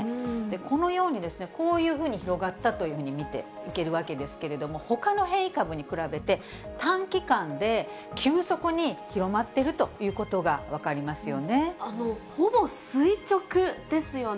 このようにですね、こういうふうに広がったというふうに見ていけるわけですけれども、ほかの変異株に比べて、短期間で急速に広まっているということが分かりますよね。